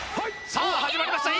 さあ始まりました